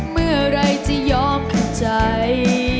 เมื่อไหร่จะยอมเข้าใจ